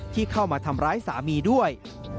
ที่เข้ามาทำร้ายสามีด้วย